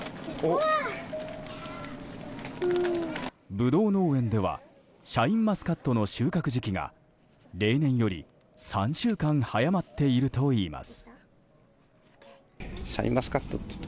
ブドウ農園ではシャインマスカットの収穫時期が例年より３週間早まっているといいます。